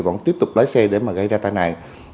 vẫn tiếp tục lái xe để mà gây ra tai nạn